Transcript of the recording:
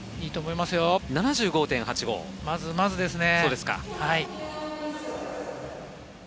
まずまずですね。